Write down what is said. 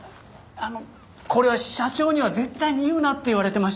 あのこれは社長には絶対に言うなって言われてまして。